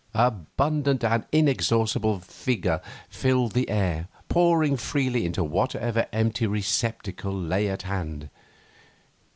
Abundant and inexhaustible vigour filled the air, pouring freely into whatever empty receptacle lay at hand.